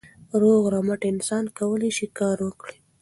روغ رمټ انسان کولای سي کار وکړي.